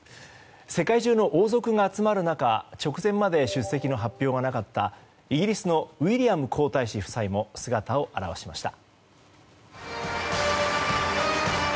世界中の王族が集まる中直前まで出席の発表がなかったイギリスのウィリアム皇太子夫妻も姿を現しました。